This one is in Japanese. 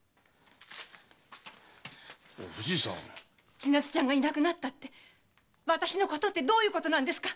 千奈津ちゃんがいなくなったって私のことってどういうことなんですか？